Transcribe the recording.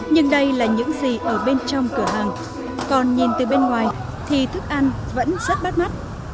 nhưng đây là những gì ở bên trong cửa hàng còn nhìn từ bên ngoài thì thức ăn vẫn rất bắt mắt